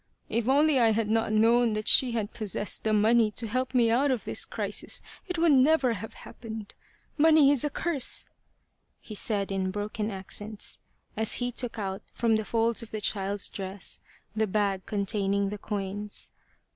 If only I had not known that she possessed the money to help me out of this crisis it would never have happened. Money is a curse !" he said in broken 36 The Quest of the Sword accents, as he took out from the folds of the child's dress the bag containing the coins.